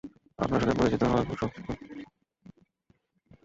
আপনার সাথে পরিচিত হবার খুব শখ ছিল।